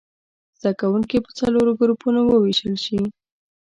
زده کوونکي په څلورو ګروپونو ووېشل شي.